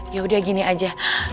yaudah gini aja